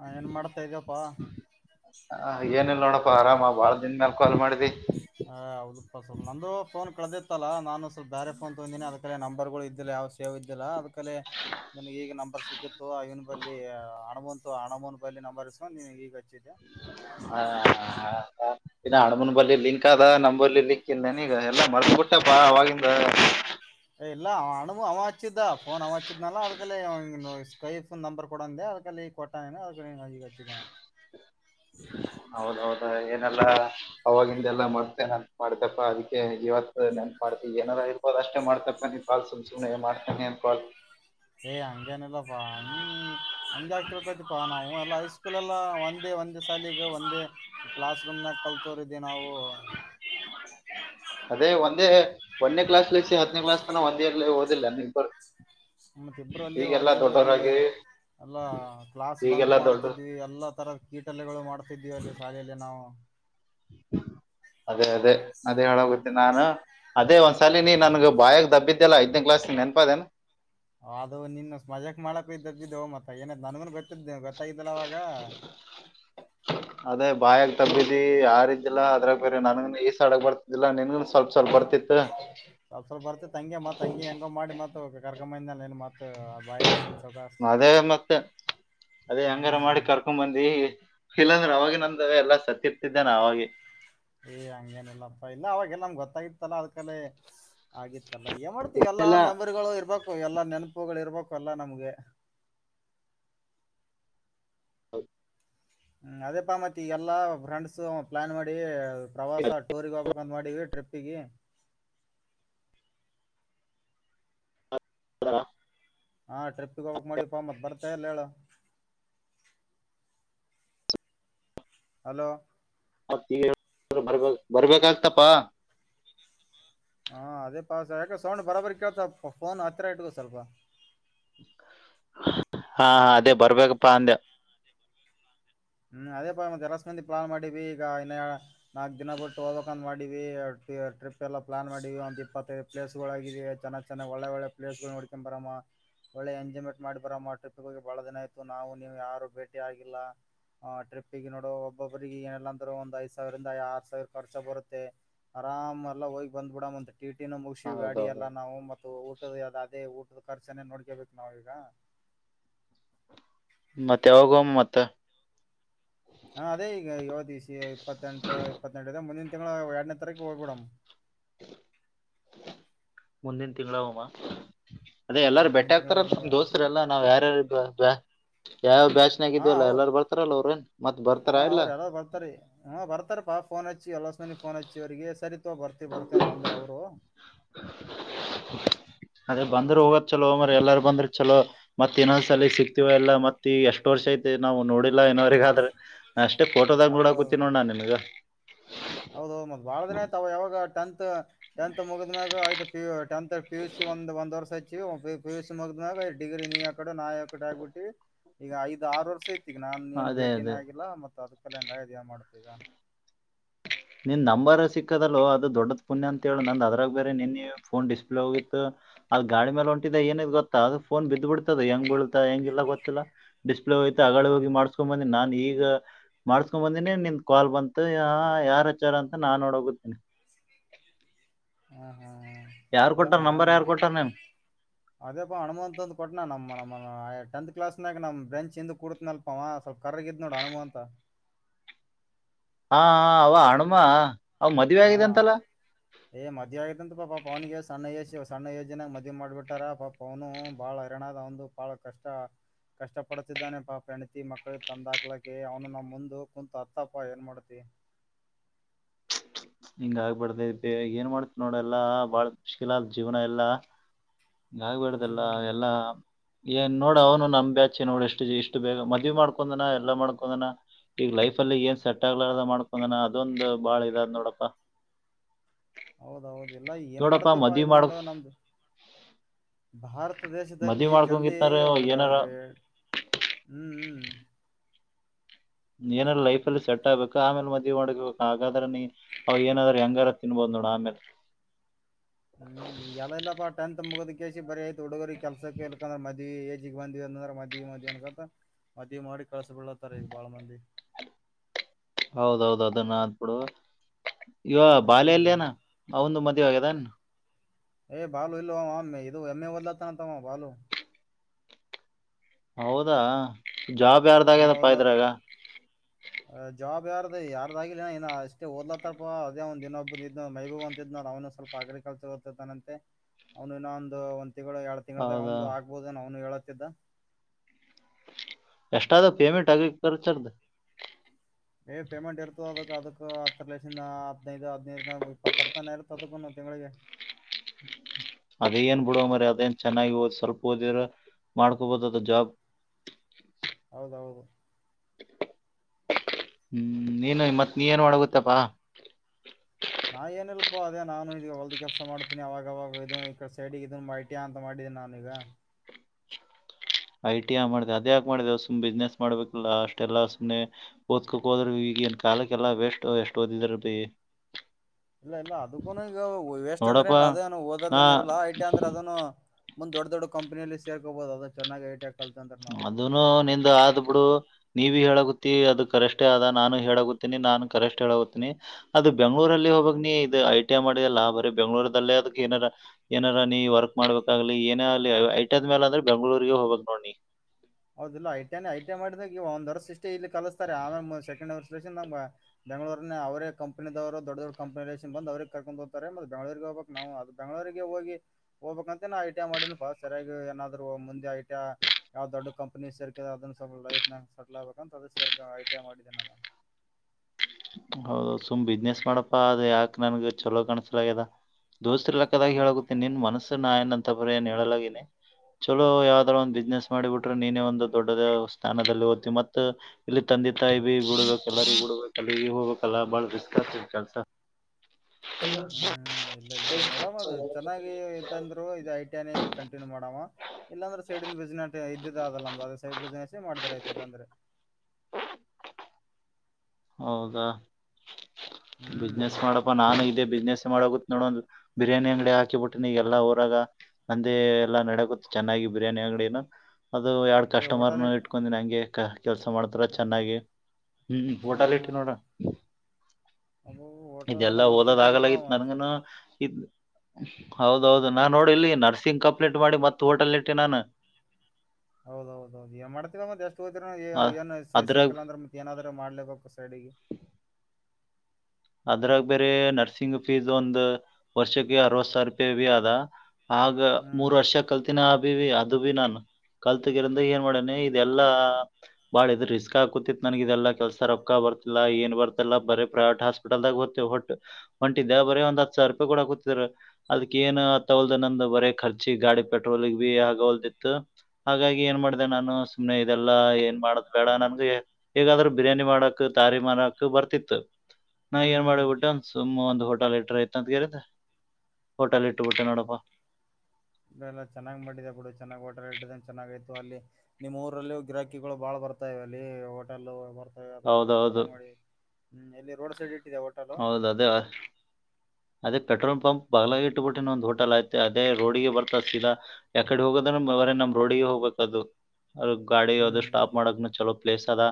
ಹ ಏನ್ ಮಾಡ್ತಾ ಇದ್ಯಪ್ಪಾ ಹ ಏನಲ್ಲೋಡಪ್ಪ ಆರಾಮ ಬಾಳ ದನ್ ಮೇಾಲ ಕಾಲ್ ಮಾಡಿದೆ ಹ ಹೌದುಪ್ಪ ಸ್ವಲ್ಪ ನಂದು ಫೋನ್ ಕಳದಿತ್ತಲ್ಲ ನಾನು ಸ್ವಲ್ಪ ಬೇರೆ ಫೋನ್ ತೊಂದಿನಿ ಅದ್ಕೇ ನಂಬರ್ಗಳು ಇದ್ದಿಲ್ಲ ಯಾವ ಸೇವ ಇದ್ದಲ್ಲ ಅದ್ ಕಲೆ ನನ್ಗ್ ಈಗ ನಂಬರ್ ಸಿಗಿತ್ತು ಅವನ ಬಳಿ ಹಣಮಂತ ಹಣಮನ್ ಬಳಿ ನಂಬರ್ಸ ನಿನಗ್ ಈಗ ಹಚ್ಚಿದ್ದೆ ಆ, ಇನ್ನ ಹಣ್ಮನ್ ಬಲ್ಲಿ ಲಿಂಕ್ ಅದ ನಮ ಬಲ್ಲಿ ಲಿಂಕ್ ಇಲ್ ನನ ಈಗ ಎಲ್ಲ ಮರ್ದ ಕೊೊಟ್ಟ ಬಾ ಅವವಾಗಿಂದ ಇಲ್ಲ ಅನುುವ ಅ ಅವಚಿದಾ ಫೋನ್ ಆಾಚಿದನ ಅದಕಲ್ಲ ಸ್ ಫೋನ್ ನಂಬರ್ ಕಡ ಅಂದ ಅದಕ ಕೊಟ್ಟ ಅದಕ್ಕಡೆ ಕಚಿ ಹೌದೌದ ಏನೆಲ್ಲಾ ಅವಾಗಿಂದೆಲ್ಲಾ ಮಾಡರ್ತೆೇನೆ ಮಾಡತಪ್ಪಾ ಅದಕ್ಕೆ ಜೀವತ್ ನೆ ಮಾಡ್ತೀವಿ ಏನಾರ ಇರ್ಬೋದು ಅಷ್ಟೇ ಮಾಡ್ತತ ಕಾಸ ಮಾಡ್ತಾನಿ ಅನ್ ಏ್ ಹಂಗೇನಲ್ಲಾ ಹ ಹಂಗ ಆತಿಕತಿ ಪ ನಾವು ಎಲ್ಲ ಹಐಸ್ಕೂಲ್ ಎಲ್ಲ ಒಂದೇ ಒಂದೇ ಸಾಲಗ ಒಂದೇ ಕ್ಲಾಸ್ ರೂಮ್ನಾಗ ಕಲ್ತೋರಿದ್ದಿ ನಾವು ಅದೇ ಒಂದೇ ಒಂದನೇ ಕ್ಲಾಸ್ ಲಸ ಹತ್ತನೇ ಕ್ಲಾಸ್ ತನ ಒಂದ್ ಇಯರ್ಲ್ಲಿ ಓದಿಲ್ಲ ನಿಮ್ದರು ಮ ಬ್ರ ಅಲ್ಲಿ ಒಂದೇ ಓದಿ ಅಲ್ಲಾ ಕ್ಲಾಸ್ ಬಂಕ್ ಈಗೆಲ್ಲ ದೊಡ್ಡ ಮಾಡ್ತಿದ್ವಿ ಎಲ್ಲಾ ತರದ ಕೀಟಲೆಗಳು ಮಾಡ್ತಿದ್ವಿ ಅಲ್ಲಿ ಶಾಲೆಯಲ್ಲಿ ನಾವು ಹ ಅದೇ ಅದೇ ಅದೇ ಹೇಳೋಗುತ್ತೆ ನಾನು ಅದೇ ಒಂದ್ಸಾಲ ನೀ ನನ್ಗ ಬಾಯಾಗ ದಬ್ಬಿದ್ದೆಲ್ಲ ಐದ್ನೇ ಕ್ಲಾಸ್ ನನ್ಪಾದನೆ ಅದು ನಿನ್ನ ಮಜಾಕ್ ಮಾಡಕ್ ಇದ್ದದ್ದಿದ್ದೆ ಮತ್ತ ಏನ್ ನನ್ಗೂ ಗೊತ್ತಿದ್ದ ಗತ್ತ ತ ಇದ್ದಲ್ಲ ಅವಾಗ ಅದೇ ಬಾಯಾಗ ತಬಿದಿ ಯಾರಿದ್ದಿಲ್ಲ ಅದ್ರಾಗ ಬೇರೆ ನನ್ಗನ್ ಈ ಸಡಗ್ ಬರ್ತಿಲ್ಲ ನಿನ್ಗು ಸ್ವಲ್ ಸ್ವಲ್ ಬರ್ತತಿ [unintelligible] ಸ್ವಪ ಸ್ವಲ್ಪ ಬರ್ತ್ತೆ ತಂಗಗೆ ಮತ್ ಅಂಗೆ ಹೆಂಗ ಮಾಡಿ ಮತ್ ಕರ್ಕಂದ ಬನ್ಯಲ್ಲ ಅದೇ ಮತ್ತೆ ಅದೇ ಹೆಂಗಾರ ಹ್ಮ್ ಮಾಡಿ ಕರ್ಕೊಂಡ್ ಬಂದಿ ಇಲ್ಲಾಂದ್ರೆ ಅವಾಗಿ ನಂದ ಎಲ್ಲಾ ಸತ್ತಿರ್ತಿದ್ದೆ ನ ಅವಾಗೆ ಏ ಹಂಗೇನ ಇಲ್ಲಪ್ಪ ಇಲ್ಲ ಅವಾಗೆಲ್ಲ ಹಂಗೆ ಗೊತ್ತಾಗಿತ್ತಲ್ಲ ಅದ್ಕಲೆ ಆಗಿತ್ತಲ್ಲ ಏ ಮಾಡ್ತೀವಿ ಎಲ್ಲ ಮೆಮರಿಗಳು ಇರ್ಬೇಕು ಎಲ್ಲಾ ನೆನಪುಗಳು ಇರ್ಬೇಕು ಎಲ್ಲಾ ನಮ್ಗೆ ಹ್ಮ ಅದೇ ಪಾ ಮತ್ತ ಈಗೆಲ್ಲಾ ಫ್ರೆಂಡ್ಸ್ ಪ್ಲಾನ್ ಮಾಡಿ ಪ್ರವಾಸ ಟೂರ್ ಹೋಗ್ ಬೇಕು ಬಂದ್ ಮಾಡೀ ಟ್ರಿಪ್ಪಿಗೆ ಹ ಹಾ ಟ್ರಿಪ್ಪ ಹೋಗಕ್ ಮಾಡಿಪ್ಪ ಇಲ್ಲ ಬರ್ತೀಯಾ ಇಲ್ಲ ಹೇಳ ಹಲೋ ಮತ್ತೆ ಬರ್ಬೇಕ ಬರ್ಬೇಕಾಗ್ತಪಾ ಅದೇ ಪ ಯಕೆ ಸೌಂಡ್ ಬರಾಬರಿ ಕೇಳತ ಫೋನ್ ಹತ್ತಿರ ಇಟ್ಕೋ ಸ್ವಲ್ಪ ಹಾ ಹ ಅದೇ ಬರ್ಬೇಕಪ್ಪಾ ಅಂದೆ ಹ್ಮ್ ಅದೇ ಪಾ ಮತ್ತ ಎರಸ್ ಮಂದಿ ಪ್ಲಾನ್ ಮಾಡಿವಿ ಈಗ ಇನ್ನ ನಾಲ್ಕ್ ದಿನ ಬಿಟ್ಟು ಹೋಗ್ಬೇಕು ಮಾಡೀವಿ ಟ್ರಿಪ್ ಎಲ್ಲ ಪ್ಲಾನ್ ಮಾಡೀ ವಿ ಇಪ್ಪತ್ತೈದು ಪ್ಲೇಸ್ಗಳಗಿವ ಚೆನ್ನಾಗಿ ಚೆನ್ನಾಗಿ ಒಳ್ಳೇ ಒಳ್ಳೆ ಪ್ಲೇಸ್ಗಳು ನಡ್ಕೊಂಡ್ ಬರಮ ಒಳ್ಳೆ ಎಂಜಾಯ್ಮೆಂಟ್ ಮಾಡಿ ಬರೋ ಟ್ರಿಪ್ಪಿಗಿ ಬಹಳ ದಿನ ಆಯ್ತು ನಾವು ನೀವು ಯಾರು ಭೇಟಿ ಆಗಿಲ್ಲಾ ಆ ಟ್ರಿಪಗೆ ನೋಡೋ ಒಬ್ಬೊಬ್ರಿಗೆ ಏನೆಲ್ಲಾಂದ್ರರು ಒಂದ್ ಐದ ಸಾವಿರಂದ ಆರ್ ಸಾವಿರ ಖರ್ಚ ಬರುತ್ತೆ ಆರಾಮ್ ಎಲ್ಲ ಹೋಗಿ ಬಂದ್ ಬಿಡಮ ಟಿಟಿನ ಮುಗಸಿವ್ ಗಾಡಿ ಹೌದೌದು ಎಲ್ಲಾ ನಾವು ಮತ್ತೆ ಊಟದ ಅದೇ ಊ ಅ ಖರ್ಚನೇ ನೋಡ್ಕೇಬೇಕು ನಾವೀಗ ಮತ್ತ ಯಾವಾಗೋಗಮ ಮತ್ತ ಹಾ ಅದೇ ಈಗ ಯೋ ಇಪ್ಪತ್ತೆಂಟು ಇಪ್ಪತ್ತೆಂಟ ಇದ ಮುಂದಿನ ಎರಡನೇ ತಾರೀಕು ಹೋಗಿ ಬಿಡಮ ಹ [inaudible] ಮುಂದಿನ ತಿಂಗಳ ಮಾಮ ಅದೇ ಹಾ ಎಲ್ಲಾರು ಮುಂದಿನ ಬೆಟ್ಟೆ ತಿಂಗಳ ಆಕ್ತಾರಲ್ ಹೋಗ್ಬಿಡಮ ನಮ್ಮ್ ದೋಸ್ತರೆ ಎಲ್ಲ ನಾವ್ ಯಾರ್ಯಾಇದ್ವ ಅಂತ ಹಾ ಅವ್ರ ಬರ್ತಾರ ಹ ಇಲ್ಲ ಅವ್ರ ಎಲ್ಲಾರು ಬರ್ತಾರ ಹ ಬರ್ತಾರ ಪಾ ಫೋನ್ ಹಚ್ಚ ಹಚ್ಚಿ ಎಲ್ಲ ಫೋನ್ ಹಚ್ಚಿ ಅವ್ರರಿಗೆ ಸರಿತ್ ಬರ್ತಿವಿ ಬರ್ತ ಅಂದ್ರ ಅವರು [inaudible] ಅದೇ ಬಂದ್ರ ಹೋಗದತ್ ಚಲೋ ಮ್ರ ಎಲ್ಲಾರ ಬಂದ್ರ ಚಲೋ ಮತ್ ಇನ್ನೊಂದ್ಸಲ ಸಿಕ್ತಿವ ಎಲ್ಲಾ ಮತ್ತ ಈ ಎಷ್ಟ್ ವರ್ಷ ನಾವು ನೋಡಿಲ್ಲಾ ಇಏರಿಗಾದ್ರೆ ಅಷ್ಟೇ ಫೋಟೋದಾಗ ನಡಾ ಕುತೀನ ನೋಡ ನಾನ್ ನಿನಗ ಹೌದೌದು ಮ್ ಬಹಳದಿನ ಆಯ್ತಾವ ಯಾವಾಗ ಟೆಂತ್ ಟೆಂತ್ ಮುಗಿದ್ಮ್ಯಾಗ ಪು ಟೆಂತ್ ಪಿ ಯು ಸಿ ಒಂದ ಒಂದ್ ವರ್ಷ ಹಚ್ಚಿವಿ ಪ ಯು ಸಿ ಮುಗಿದ್ಮ್ಯಾಗ ಡಿಗ್ರಿ ನೀ ಆಕಡೆ ನಾ ಯಕಡೆ ಬಿಟ್ಟಿ ಈಗ ಐದು ಆರು ವರ್ಷ ಆಯ್ತು ಇಗ ನಾನ್ ನೀನು ಅದೇ ಭೇಟಿನೇ ಅದೇ ಆಗಿಲ್ಲಾ ಮತ್ತೆ ಅದಕ್ಕ ಅಂಗಗಾಯ್ತೇ ಏನ್ ಮಾಡ್ತೀಗ ನಿನ್ ನಂಬರ್ ಸಿಕ್ಕದಲ್ಲ ಅದು ದೊಡ್ಡದ ಪುಣ್ಯ ಅಂತೇಳು ನಂದ ಅದ್ರಾಗ ಬೇರೆ ನಿನ್ನ ಫೋನ್ ಡಿಸ್ಪ್ಲೇ ಹೋಗಿತ್ತು ಅದ್ ಗಾಡಿ ಮೇಲೆ ಹೊಂಟಿದ್ದ ಏನಿದ್ ಗೊತ್ತ ಅದುಫೋನ್ ಬಿದ್ದ್ ಬಿಡ್ತದ ಹೆಂಗ್ ಬಿಳುತ್ತಾ ಹೆಂಗ ಇಲ್ಲ ಗೊತ್ತಿಲ್ಲ ಡಿಸಪ್ಲ ಹಯ್ತ ಅಗಳ ಹ್ಮ್ ಹಿ ಮಾಡ್ಕೊ ಬಂದಿ ನಾನ ಈಗ ಈಗ ಮಾಡ್ಸ್ಕೊಂಡ್ ಬಂದಿನಿ ನಿನ್ ಕಾಲ್ ಬಂತು ಯಾರ ವಿಚಾರ ಅಂತ ನಾ ನೋಡೋಗುತ್ತೇನೆ ಹ್ಮ್ ಹ್ಮ್ ಯಾರ್ ಕೊಟ್ಟಾರ ನಂಬರ್ ಯಾರು ಕೊಟ್ಟಾರ ನನ್ ಅದೇಪ್ಪ ಹನುಮಂತಂದು ಕೊಟ್ಟನಾ ನಮ್ಮ ನಮ್ಮ ಆ ಟೆಂತ್ ಕ್ಲಸ್ನಾಗ ನಮ್ ಬ್ರೇಚ್ ಹಿಂದ ಕೂಡತನಲ್ಪವ ಸ್ವಲ್ಪ ಕರಗಿದ್ ನೋಡ ಅನುಭವ ಅಂತ [inaudible] ಹಾ ಹಾ ಅವ ಅಣಬ ಹಾ ಏ ಮದುವೆ ಆಗತಂತ ಪಾಪಾ ಪವನಗೆ [unintelligible] ಸಣ್ಣ ಏಜ್ ನೆಗ ಮದುವೆ ಮಾಡ್ಬಿಟ್ಟಾರ ಪಾಪ ಅವನು ಬಹಳ ಹರಣದ ಒಂದು ಬಹಳ ಕಷ್ಟ ಕಷ್ಟ ಪಡ್ತಿದ್ದಾನೆ ಪಾ ಹೆಂಡತಿ ಮಕ್ಕಳ ತಂದ ಹಾಕ್ಬೇಕ್ಲೇ ಅವ್ನು ನಮ್ಮ ಮುಂದ ಕುಂತು ಅತ್ತಪ್ಪಾ ಏನ್ ಮಾಡ್ತಿವಿ [inaudible] ಹಿಂಗ ಆಗ್ಬಡ್ದ ಏನ್ ಮಾಡ್ತಿ ನೋಡ ಎಲ್ಲಾ ಬಾಳ ಮುಶ್ಕಿಲ್ [unintelligible] ಆದ ಜೀವನ ಎಲ್ಲಾ [unintelligible] ಗಾಗಬಡದೆಲ್ಲ ಹ್ಮ್ ಎಲ್ಲಾ ಏನ್ ನೋಡ ಅವನು ನಮ್ ಬ್ಯಾಚಿ ನೋಡು ಎಷ್ಟು ಇಷ್ಟು ಬೇಗ ಮದ್ವಿ ಮಾಡ್ಕೊಂಡಂದನ ಎಲ್ಲಾ ಮಾಡ್ಕೊಂಡಂದನ ಈಗ ಲೈಫ ಅಲ್ಲಿ ಏನ್ ಸೆಟ್ ಆಗ್ಲಾರದ ಮಾಡ್ಕೊಂಡನ ಅದೊಂದು ಬಾಳ ಇದ [unintelligible] ನೋಡಪ್ಪ ಹೌದೌದು ಎಲ್ಲ ಏನ್ ಮಾಡ್ತೇ ಪಾ ಮದ್ವಿ ಈಗ ಮಾಡ ನೋಡುವ ನಮ್ದು [unintelligible] ಭಾರತ [unintelligible] ದೇಶದಲ್ಲಿ ಮದ್ವಿ ಮಾಡ್ಕೊಂಗಿತ್ತಾರ ಜಲ್ದಿಗ ಏನಾರ ಹ್ಮ್ ಏನಾದ ಲೈಫ ಅಲ್ಲಿ ಸೆಟ್ ಆಗ್ಬೇಕು ಆಮೇಲ ಮದ್ವೆ ಮಾಡ್ಕೋಬೇಕ ಅವಾಗ ಏನಾದ್ರ ಹೆಂಗಾರ ತಿನ್ಬಹದು [unintelligible] ಡೇ ಹ್ಮ್ [unintelligible] [inaudible] ಈ ಎಲ್ಲಪ್ಪ ಟೆಂತ್ ಮುಗ [unintelligible] ಕೆಶಿ ಬರಿಯತು ಹುಡುಗರಿಗೆ ಕೆಲ್ಸಕ್ಕೆ ಎಕಂದ್ರ ಮದ್ವಿ [unintelligible] ಜಿಗೆ ಬಂದ್ ಅಂದ್ರ ಮದವಿ ಮದ್ ಅನ್ಕತ ಮದುವವಿ ಮಾಡಿ ಕಳ್ಸ ಬಿಳತ್ತಾರ ಈಗ ಬಾಳ ಮಂದಿ [unintelligible] ಹೌದೌದು ಅದನ್ನ [unintelligible] ಅಬಿಡು ಇವ ಬಾಲ್ಲ ಹ್ಮ್ [unintelligible] ಯನಾ ಅವಂದು ಮತ್ತ [unintelligible] ಗದ ಏ ಬಾಲು ಇಲ್ಲ ಆಮ ಇದು ಎಂ ಎ ಓದಲತಾನತ ಬಾಲು [unintelligible] ಹೌದಾ ಜಾಬ್ ಎಮ್ ಎ ಯಾರ್ದಾಗ್ಯದಪ್ಪ ಓದ್ಲತ್ ಇದ್ರಾಗ ಜಾಬ್ ಯಾರ್ದು ಯಾರ್ದಾಗ್ಲಿಲ್ಲ ಇನ ಅಷ್ಟೇ ಓದಲತ್ತಾರಪ್ಪ ಅದೇ ಒಂದ ದಿನೊಬ್ಬ ಇದ್ ಮೈಬು ಅಂತ ಇದ್ ಅವ್ನ [unintelligible] ಸ್ವಲ್ಪ ಅಗ್ರಿಕಲ್ಚರ್ [unintelligible] ತೆ ಅವನು ಇನ್ನೊ ಒಂದು ಒಂದ್ ತಿಂಗಳು ಎರಡು ತಿಂಗಳ್ದಾಗ ಹೌದಾ ಅವನು ಆಗ್ಬೋುದನ [unintelligible] ಅವನು ಹೇಳತಿದ್ದ ಎಷ್ಟಾದ ಪೇಮೆಂಟ್ ಆಗಿ ರ್ಚ [unintelligible] ಏ ಪೇಮೆಂಟ್ ಇರುತ ಅದಕ್ ಅದಕ್ ಹತ್ತರ ಲಕ್ಷದ ಹಡ್ನೈದು ಹೆಡ್ನೈದು ಇಪ್ಪತ್ತರ ತನ ಇರುತ ಅದಕ್ಕ ತಿಂಗಳಿಗೆ ಹ [unintelligible] [inaudible] ಅದೇ ಏನ್ ಬಿಡುವ ಮರಯ ಅದೇನ್ ಚೆನ್ನಾಗಿ ಓದ್ ಸ್ವಲ್ಪ ಓದಿರ ಮಾಡ್ಕೋಬಹದು ಅದು ಜಾಬ್ [unintelligible] [unintelligible] [inaudible] ಹೌದೌದು [unintelligible] ಹ್ಮ್ ನೀನು ಮತ್ ನೀ ಏನ್ [unintelligible] ಒಳಗುತ್ತಪ್ಪಾ ನಾ ಏನಲ್ಪ ಅದೇ ನಾನು ಇದಗ ಹೊಲ್ದ ಕೆಲಸ ಮಾಡ್ತೀನಿ ಅವವಾಗವಾಗ ಇದ ಈ ಸೈಡಿಗೆ ಇದನ್ ಮೈಟ ಅಂತ ಮಾಡಿ [unintelligible] [unintelligible] ನಾನಿಗ ಐ ಟಿ ಐ ಮಾಡಿದೆ ಅದ ಯಾಕ ಮಾಡಿದೆ ಸುಮ್ ಬಿಸ್ನೆಸ್ ಮಾಡ್ಬೇಕಿತ್ತಲ್ಲಾ ಅಷ್ಟೆಲ್ಲ ಸುಮ್ನೆ ಓದ್ಕಕ್ ಹೋದ್ರ ಈ [unintelligible] ಕಾಲಕ್ಕೆಲ್ಲಾ ವೇಸ್ಟ್ ಎಷ್ಟು ಓದಿದ್ರ ಬಿ [unintelligible] ಹ [unintelligible] [inaudible] ಇಲ್ಲ ಇಲ್ಲ ಅದಕ್ಕೂನು ಈಗ ವೇಸ್ಟ್ ಅಂದ್ರೆ ನೋಡಪ್ಪ ಅದನು ನಾ ಓದರ್ದನ್ ಇರಲ್ಲ ಐಟ ಅಂದ್ರೆ ಅದನು ಮುಂದ ದೊಡದೊಡ್ಡಂಪನಿಯಲ್ಲಿ ಸೀರ್ಕೋಬಹುದುದು ಚೆನಗಿ ಐ [unintelligible] ನಾವು ಅದನು ನಿಂದು ಆದ್ ಬಿಡು ನೀವ ಹೇಳಗುತ್ತ ಅದು ಕರೆಷ್ಟೇ ಆದದ ನಾನು ಹೇಳೋಗುತ್ತೀನಿ ನಾನು ಕರೆಷ್ಟ್ ಹೇಳೋಗುತ್ತೀನಿ ಅದು ಬೆಂಗಳೂರಲ್ಲಿ ಹೋಗಾಗ ನೀ ಇ [unintelligible] ಐ ಟಿ ಐ ಮಾಡಿದೆಲ್ಲಾ ಬರೀ ಬೆಂಗ್ಗಳೂರ್ಲ್ಲೇ ಅದ ಏನಾರ ಏನಾರ ನೀ ವರ್ಕ್ ಮಾಡ್ಬೇಕಾಗ್ಲಿ ಏನೇ ಅ [unintelligible] ಐಟದ ಮೇಲೆ ಅಂದ್ರೆ ಬೆಂಗಳೂರಿಗೆ ಹೋಗಬೇಕ್ ನೋಡ್ಡಿ ನೀ [unintelligible] ಹೌದಿಲ್ಲಲ್ಲ ಐ ಟ ಐ [unintelligible] ಮಾಡಿದಾಗ ಈಗ ಒಂದ್ವರ್ ಸೃಷ್ಟ್ ಇಲ್ಲಿ ಕಲಸ್ತಾರೆ ಆಮೇಲೆ ಸೆಕೆರ್ ಸ ನಮ್ ಬೆಂಗಳೂರನ ಅವರ ಕಂನವರು ದೊಡ್ಡ ದೊಡ್ಡಂಪನಿನ್ ಬಂದ ಅವ್ರರಿಗೆ ಕರ್ಕು ಹೋಗತಾರೆತ್ತ ಬೆಂಗಳೂರಿಗೆ ಹೋಗ್ಬೇಕ ನಾವು ಬೆಂಗಳೂರಿಗೆ ಹೋಗಿ ಹೋಗ್ಬೇಕಂತ ಐ ಟಿ ಐ ಮಾಡಿನ ಪ ಸರಿಯಾಗಿ ಏನಾದ್ರು ಮುಂದೆ ಐ ಟಿ ಐ ಯಾವ್ ದೊಡ್ [unintelligible] ಕಂಪನಿ ಸೇರ್ಕ ಅದನ್ನ ಸ್ವಲ್ಪ ಲೈಫ್ ನ ಸೆಲ್ ಆಬೇಕ ಅಂತ ಅದು ಸೇರ್ [unintelligible] ಐಟಿ ಮಾಡಿದ್ದೇನೆ ನಾನು [unintelligible] [inaudible] ಹೌದ ಸುಮ್ ಬಿಸ್ನೆಸ್ ಮಾಡಪ್ಪಾ ಅದ ಯಾಕ ನನ್ಗ ಚಲೋ ಕಾಣಸಲಾಗ್ಯದ ಇಲ್ಲ ದೋಸ್ತಿರ್ಲಕ್ಕದಾಗಿ ಅನ್ನೋ ಹೇಳಕುತ್ತಿ ನಿನ್ ಮನಸ್ಸು ನಾಯಏನ್ [unintelligible] ಅಂತ ಬರ ಏನ್ ಹೇಳಲನನೆ ಚಲೋ ಯಾವ್ದಾರ ಒಂದ್ ಬಿಸ್ನೆಸ್ ಮಾಡಿಬಿಟ್ರೆ ನೀನೇ ಒಂದು ದೊಡ್ಡದ ಸ್ಥಾನದಲ್ಲಿ ಓದ [unintelligible] ಮ ಇಲ್ಲಿ [unintelligible] ಬಂದಿತ ಬಿ ಬಿಡ್ಬೇಕಲ್ಲ ಬಿಡ್ಬೇಕಲ್ಲ ಈಗ ಹೋಗ್ಬೇಕಲ್ಲ ಬಾ ರಿಸ್ಕ್ ಆಗ್ತ ಕಲ್ಸ ಹ [unintelligible] [inaudible] ಹ್ಮ್ ಇಲ್ಲ ಇಲ್ಲ ನೋಡಮ್ಮ ಅದು ಚೆನ್ನಾಗಿ ಇತ್ ಅಂದ್ರು ಈ ಐ ಟಿ ಕಂಟಿನ್ಯೂ ಮಾಡ ಇಲ್ಲಾಂದ್ರೆ ಸೈ [unintelligible] ಬ ಇದ್ದ ಅದಲ್ಲ ಅ [unintelligible] ಬಿಸ್ನೆಸ್ [unintelligible] ಮಾಡಿದ್ರಐತಲ್ಲ ಅಂದ್ರೆ ಹೌದಾ ಹ್ಮ್ ಬಿಸ್ನೆಸ್ ಮಾಡಪ್ಪ ನಾನು ಇದೆ [unintelligible] ಬಿಸ್ನೆಸ್ ಮಾಡೋಗುತ್ತತ್ ನೋಡ ಬಿರಿಯಾನಿ ಅಂಗಡಿ ಹಾಕಿಬ ಬಿಟ್ರೆ ನೀಗ ಎಲ್ಲ ೋರಾಗ ನಂದೆ ಎಲ್ಲಾ ನಡಗುತ್ತ ಚೆನ್ನಾಗಿ ಬಿರಿಯಾನಿ ಅಂಗಡಿನ ಅದು ಎರಡು ಏ ಹೋಟೆಲ್ ಕಸ್ಟಮರ್ನ ಇಟ್ ಇಟ್ಕೊಂಡಿ ನಂಗೆ ಕೆಲಸ ಮಾಡ್ತಾರ ಚೆನ್ನಾಗಿ ಹಾ ಹ್ಮ ಹೋಟಲ್ ಹಾ ಇಟ್ಟು ನೋಡ ಅಬ ಹೋಟೆಲ್ ಎಲ್ಲ ಇದೆಲ್ಲಾ ಮಸ್ತ್ ಓದೋದ್ ಇಟ್ಟಿದಪಾ ಆಗಲಾಗಿತ್ ಮತ್. ನನ್ಗನು ಇ ಹೌದೌದು ನಾನ್ ನೋಡಿ ಇಲ್ಲಿ ನರ್ಸಿಂಗ್ ಕಂಪ್ಲೀಟ್ ಮಾಡಿ ಮತ್ತ ಹೋಟೆಲ್ ಇಟ್ಟ ನಾನು ಹೌದೌದೌದು ಏನ್ ಮಾಡ್ತಿದ ಮತ್ತತ್ ಎಷ್ಟು ಹೋ್ತರ ಏನ್ ಅದ್ರಾಗ ಸಿಕ್ಕಿಲ್ಲ ಅಂದ್ರೆ ಮತ್ತತ್ ಏನಾದ್ರರು ಮಾಡ್ಲೇಬೇಕು ಸೈಡಿಗೆ [inaudible] ಅದ್ರಾಗ ಬೇರೆ ನರ್ಸಿಂಗ್ ಫೀಸ್ ಒಂದ್ ವರ್ಷಕ್ಕೆ ಅರವತ್ ಸಾವಿರ ರೂಪಾಯಿ ಭ ಆದದ ಆಗ ಹ್ಮ್ ಮೂರ್ ವರ್ಷ ಕಲ್ತೀಿನ ಬಿೀ ಅದು ಬಿೀ ನಾನು ಕಲ್ತಗಿರಂದ ಏನ್ ಮಾಡನನೆ ಇದೆಲ್ಲಾ ಬಾಳ ಇದ ರಿಸ್ಕ್ ಆಾಕುತಿತ್ ನನ್ಗ ಇದೆಲ್ಲಾ ಕೆಲ್ಸ ರಕ್ಕ ಬಾಳ ಬರ್ಲ್ಲ ಏನ್ ಬರ್ತಲ್ಲ ಬೇ ಪ್ರೈವೇಟ್ ಹಾಸ್ಪ ಟಲ್ದಾಗ ಹತ್ತೇವೆ ಹೊಟ್ಟು ಹೊಂಟ ದ ಬರ ಒ್ ಹತ್ ಸಾವಿರ ರೂಪಾಯಿ ಕೂಡ ಕೂತರ ಅದಕ್ಕ ಏನ್ ತಗದ ನ ಬರ ಖರ್ಚಿ ಗಾಡಿ ಪೆಟ್ರೋಲಿ ಬಿ ಆಗ ಹೊಲ್ದಿತ್ತು ಹಾಗಾಗಿ ಏನ್ ಮಾಡಿದೆ ನಾನು ಸುಮ್ನೆ ಇದೆಲ್ಲಾ ಏನ್ ಮಾಡಕ್ ಬೇಡ ನನ್ಗೆ ಹೇಗಾದ್ರೂ ಬಿರಿಯಾನಿ ಮಾಡಕ್ ತಾರಿ ಮಾಡಕ್ ಬರ್ತಿತ್ತು ನಾ ಏನ್ ಹ್ಮ್ ಮಾಡಿ್ಬಿಟ್ಟೆ ಒಂದ ಸುಮ್ಮ್ ಒಂದ ಹೋಟಾಲ್ ಇಟ್ರ ಐತ ಅಂತ ಗರದ ಹೋಟೆಲ್ ಇಟ್ಟುಬಿಟ್ಟೆ ನೋಡಪ್ಪ ಇಲ್ಲ ಚೆನ್ನಾಗ್ ಮಾಡಿದೆ ಬಿಡು ಚೆನ್ನ್ ಹೋಟೆಲ್ ಇಟ್ಟ ಚೆನ್ನಾಗ ಆತು ಅಲ್ಲಿ ನಿಮ್ಮ ಊರಲ್ಲಿೂ ಗ್ರಾಹಕಿಗಳು ಬಾಳ ಬರ್ ಬತವೆ ಅಲ್ಲಿ ಹೋಟೆಲ್ ಬರ್ತಾ ಹೌದೌದು ಚೆನ್ನಾಗ್ ಮಾಡ ಇಲ್ಲಿ ರೋಡ್ ಸೈಡ್ ಇ ಹೌದ ಅದೇ ಅದೇ ಪೆಟ್ರೋಲ್ ಪಂಪ್ ಬಗ್ಲಾಗಿ ಇಟ್ುಬಿಟ್ಟೆ ಒಂದ ಹೋಟೆಲ್ ಆಯ್ತೆ ಅದೇ ರೋಡಿಗೆ ಬರ್ತಾ ಸೀದಾ ಎಕಡೆ ಹೋಗೋದ್ರ ಅವರೇ ನಮ್ ರೋಡಿಗೆ ಹೋಗ್ಬೇಕ ಅದು್ರ ಗಾಡಿ ಅದು ಹ್ಮ್ ಸ್ಟಾಪ್ ಮಾಡಕ್ ಚಲೋ ಪ್ಲೇಸ್ ಅದ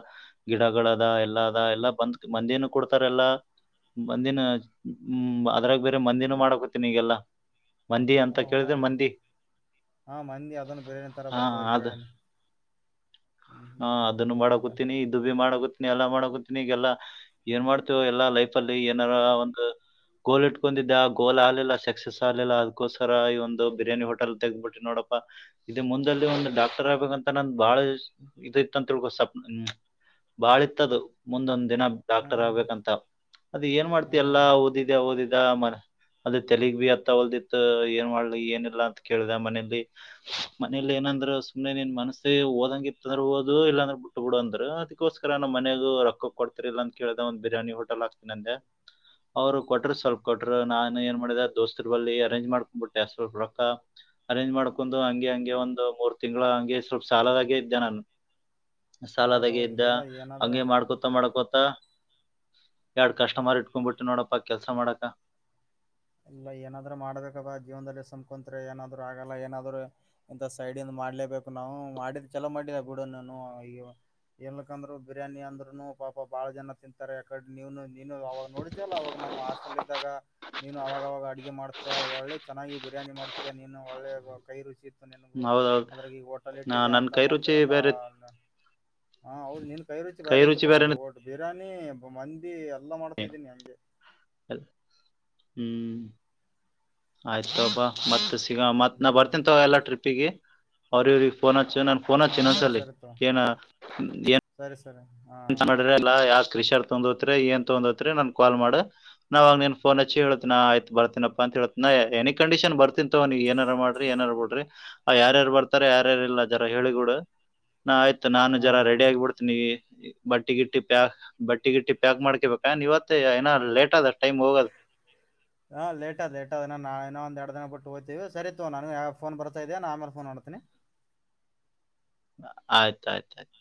ಗಿಡಗಳ ಅದ ಎಲ್ಲಾ ಅದ ಎಲ್ಲಾ ಬಂದ್ ಮಂದಿನು ಕೊಡ್ತಾರೆ ಎಲ್ಲಾ ಮಂದಿನ ಹ್ಮ ಅದ್ರಾಗ ಬೇರೆ ಮಂದಿನ ಮಾಡಕೊತ್ತಿನ ಈಗೆಲ್ಲಾ ಮಂದಿ ಅಂತ ಓಹೋ ಕೇಳಿದ್ರೆ ಮಂದಿ ಹಾ ಮಂದಿ ಅದನ್ನು ಬೇರೆ ತರ ಹಾ ಬರ್ತದ ಅದ ಕೇಳನಿ ಹಾ ಅದನ್ನು ಮಾಡಕೊತೀಿನಿ ಇದು ಭ ಮಾಡಕ ಎಲ್ಲಾ ಮಾಡಕತಿನಿ ಈಗೆಲ್ಲಾ ಏನ್ ಮಾಡ್ತೇವ ಎಲ್ಲಾ ಲೈಫ ಅಲ್ಲಿ ಏನಾರ ಒಂದು ಗೋಲ್ ಇಟ್ಕೊಂಡಿದ್ದ ಆ ಗೋಲ್ ಆಲಿಲ್ಲ ಸಕ್ಸಸ್ ಆಲಿಲ್ಲ ಅದಕ್ಕೋಸ್ರ ಈ ಒಂದು ಬಿರಿಾನಿ ಹೋಟಲ್ ತೆಗಬಿಟ್ಟಿ ನೋಡಪ್ಪ ಇ ಮುಂದದಲ್ಲಿ ಒಂದು್ ಡಾಕ್ಟರ್ ಆಗ್ಬೇಕಂತ ನಂದ ಬಾಳ ಇದ ಇತ್ತಂತ ತಿಳ್ಕೋ ಸಪ್ ಹ್ಮ್ ಬಾಳ ಇತ್ತದು ಮುಂದೊಂದ್ ದಿನ ಡಾಕ್ಟರ್ ಹ್ಮ್ ಆಗ್ಬೇಕಂತ ಅದ ಏನ್ ಮಾಡ್ತಿ ಹ್ಮ್ ಎಲ್ಲಾ ಓದಿದ ಹದಿದ ಮರ ಅದೇ ತಲಗ್ ಬಿ ಅತ್ತ ಹೊಲ್ದಿತ್ ಏನ್ ಮಾಡ್ಲಿ ಏನಿಲ್ಲ ಅಂತ ಕೇಳಿದೆ ಮನೇಲಿ ಮನೇಲಿ ಏನೋ ಏಂದ್ರ ಸು್ನೆ ನೀನ್ ಮನಸ್ಸ ದಂಗ ಇರ್ತದ್ರ ಓದು ಇಲ್ಲಾಂದ್ರೆ ಬಿಟ್ಟು ಬಿಡು ಅಂದ್ರ ಅದಕ್ಕೋಸ್ಕರ ನಮ್ಮ ಮನಗ ರೊಕ್ಕ ಕೊಡ್ತಿರ್ಲಲ್ಲ ಅಂತ ಕೇಳ ಒಂದು ಬಿರಿ್ಯಾನಿ ಹೋಟೆಲ್ ಆಗ್ತನಿ ಅಂದೆ ಅವ್ರು ಕೊಟ್ರರು ಸ್ವಲ್ಪ ಕೊಟ್ರರು ನಾನನ್ ಏನ್ ಮಾಡಿದ ದೋಸ್ತ್ರ್ ಬಳಿ ಅರೇಂಜ್ ಮಾಡ್ಕೊಂಡ್ಂಬಿಟ್ಟೆ ಸ್ವಲ್ಪ ರೊಕ್ಕ ಅರೇಂಜ್ ಮಾಡ್ಕೊಂಡು ಹಂಗೆ ಹಂಗೆ ಒಂದು ಮೂರ್ ತಿಂಗಳು ಹಂಗೆ ಸ್ವಲ್ಪ ಸಾಲದಾಗೆ ಇದ್ದೆ ನಾನು ಸಾಲದಾಗೆ ಹೌದೌದು ಇದ್ದ ಇಲ್ಲೆಲ್ಲ ಏನಾದ್ರ ಹಂಗೆ ಮಾಡ್ಕೊತ ಮಾಡ್ಕೊತ ಯಡ್ ಕಷ್ಟಮಾರ್ ಇಟ್ಕೊಂಡ್ಬಿಟ್ಟು ನೋಡಪ್ಪ ಕೆಲ್ಸ ಮಾಡಕ ಇಲ್ಲ ಏನಾದ್ರೂ ಮಾಡಬೇಕ ಜೀವನದಲ್ಲಿ ಸು್ಕೊತ್ ಏನಾದ್ರು ಆಗಲ್ಲ ಏನಾದ್ರು ಇಂತ ಸೈಡ್ ಮಾಡ್ಲೇಬೇಕು ನಾವು ಮಾಡಿದ ಚಲೋ ಮಾಡಿದ ಬಿಡ ನಾನು ಈಗ ಎಲ್ಲಕಂದ್ರು ಬಿರಿಯಾನಿ ಅಂದ್ರುನು ಪಾಪ ಬಾಳ ಜನ ತಿಂತಾರೆ ಯಾಕಡೆ ನೀವನು ನೀನು ಅವವಾಗ ನೋಡಿದ್ದಲ್ಲ ಅವವಾಗ ನವು ಹಾಸ್ಟಲ್ ಇದ್ದಾಗ ನೀನು ಅವಾಗವಾಗ ಅಡಗೆ ಮಾಡ್ತ ಒಳ್ಳೆ ಚೆನ್ನಾಗಿ ಬಿರಿಯಾನಿ ಮಾಡ್ತ ನೀನು ಒಳ್ಳೆ ಕೈ ರುಚಿ ನನ್ಗು ಹೌದೌದ್ ಅದ್ರಾಗ ಈಗ ಹೋಟೆಲ್ ನಾ ಇಟ್ಟಿದೆ ನನ್ ಅಂತ ಕೈ ಮತ್ತೆ ರುಚಿ ಎಲ್ಲ ಬೇರೆ ಹಾ ಹೌದು ನಿನ್ ಕೈ ರುಚಿ ಬಾರಿ ಇತ್ತು ಬಾ ಬಿರಿಯಾನಿ ನಾನಿ ಮಂದಿ ಎಲ್ಲ ಮಾಡ್ತಿದ್ದೀನಿ ನಂಗೆ ಹ್ಮ್ ಆಯ್ತಬಾ ಮತ್ ಸಿಗ ಮತ್ ನಾ ಹ್ಮ್ ಬರ್ತೀನ ತ ಎಲ್ಲ ಟ್ರಿಪ್ ಿಗೆ ಅವ್ರ ಇವ್ರಿಗೆ ಫೋನ್ ಹಚ್ಚ ನನ್ ಫೋನ್ ಹಾ ಹಚ್ಚಿನ ಸರಿ ಒಂದ್ಸಲಿ ಸರಿ ತಗೋ ಏನ ಏ ಸರಿ ಸರಿ ಹಾ ಎಂತ ಮಾಡಿದ್ರ ಎಲ್ಲ ಯಾವ ಕೃಷಿರ್ ತೊಂದರಿ ಏನ್ ತೊಂದತ್ರಿ ನನ್ ಕಾಲ್ ಮಾಡ ನಾವಾಗ ನಿನಗ್ ಫೋನ್ ಹಚ್ಚಿ ಹೇಳ ಆಯ್ತತ್ ಬರ್ತೀನಪ್ಪ ಅಂತ ಹೇಳ ಎನಿ ಕಂಡೀಷನ್ ಬರ್ತನಿ ನೀ ಏನಾರ ಮಾಡ್ರಿ ಏನಾರ ಬಿಡ್ರಿ ಆ ಯಾರ್ಯಾರು ಬರ್ತಾರ ಯಾರ್ಯಾರ ಇಲ್ಲ ಜರ ಹೇಳಿಗೂಡ ನಾ ಆಯ್ತು ನಾನು ಹಾ ಜರ ಹಾ ರೆಡಿ ಆಗಿಬ ಬಿಡ್ತೇನಿ ಬಟ್ಟಿ ಗಿಟ್ಟಿ ಪ್ಯಾಕ್ ಬಟ್ಟಿ ಗಿಟ್ಟಿ ಪ್ಯಾಕ್ ಮಾಡ್ಕೇಬೇಕಾ ನೀವತ್ತ ಏನ ಲೇಟ್ ಅದ ಟೈಮ್ ಹೋಗದ್ ಹ್ಮ ಹಾ ಲೇಟ್ ಅ ಲೇಟ್ ಅದ ನಾವ ಇನ್ ಒಂದ ಎರಡು ದಿನ ಬಿಟ್ಟ ಹೊಯತೀವಿ ಸರೀ ತಗೋ ನನಗೂ ಯಾವ್ಯಾವ್ ಫೋನ ಬರತ ಇದೆ ಆಮೇಲೆ ಮಾಡ್ತೀನಿ [inaudible] ಆಯ್ತು ಆಯ್ತ ಆಯ್ತು